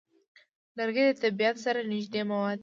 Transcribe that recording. لرګی له طبیعت سره نږدې مواد دي.